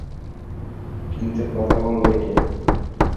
কিন্তু কথা বলবে কে?